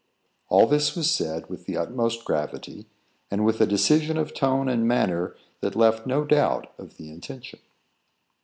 All this was said with the utmost gravity, and with a decision of tone and manner that left no doubt of the intention.